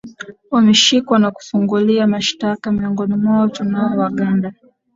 wameshikwa na kufungulia mashitaka miongoni mwao tunao waganda